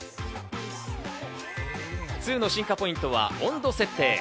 ２の進化ポイントは、温度設定。